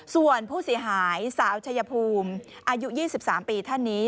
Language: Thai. ส่วนผู้เสียหายสาวชายภูมิอายุ๒๓ปีท่านนี้